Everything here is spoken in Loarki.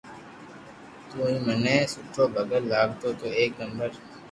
تو تي مني سٺو ڀگت لاگتو تو ايڪ نمبر